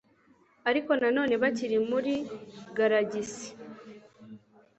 ariko nanone bakiri muri galagisi